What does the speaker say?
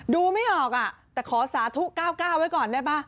ดูไม่ออกแต่ขอสาธุ๙๙ไว้ก่อนได้ป่ะ